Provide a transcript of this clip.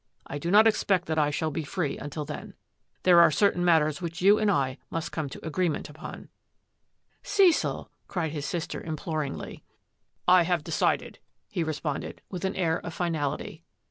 I do not expect that I shall be free until then. There are certain mat ters which you and I must come to agreement upon." " Cecil !" cried his sister imploringly. 88 THAT AFFAIR AT THE MANOR " I have decided," he responded, with an air of finality.